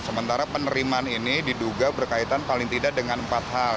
sementara penerimaan ini diduga berkaitan paling tidak dengan empat hal